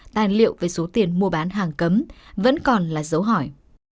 tài liệu về số tiền mua bán hàng cấm vẫn còn là dấu hỏi